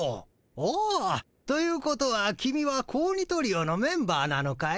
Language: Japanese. おお！ということは君は子鬼トリオのメンバーなのかい？